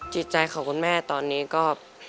จิตใจของคุณแม่ตอนนี้ก็